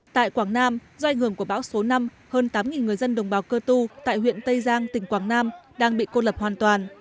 tại quảng nam do ảnh hưởng của bão số năm hơn tám người dân đồng bào cơ tu tại huyện tây giang tỉnh quảng nam đang bị cô lập hoàn toàn